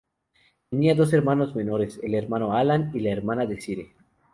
Tenía dos hermanos menores, el hermano Alan y la hermana Desiree.